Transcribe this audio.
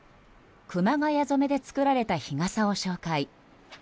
熊谷染めで作られた日傘を紹介。